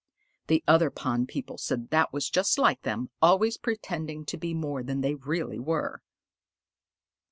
The other pond people said that was just like them, always pretending to be more than they really were.